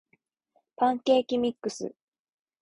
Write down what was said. パンケーキミックス